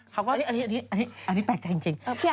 เขาก็อันนี้แปลกใจจริง